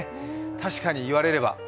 確かに言われれば。